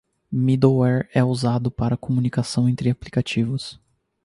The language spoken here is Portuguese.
Middleware é usado para comunicação entre aplicativos.